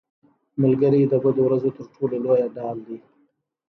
ملګری د بدو ورځو تر ټولو لویه ډال دی